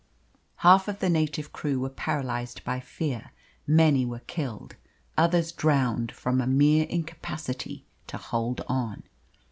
Half of the native crew were paralysed by fear, many were killed, others drowned from a mere incapacity to hold on.